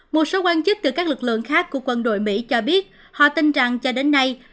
một số quan chức từ các lực lượng khác của quân đội mỹ cho biết họ tin rằng cho đến nay